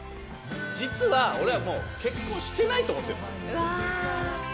実は俺はもう結婚してないと思ってるんです。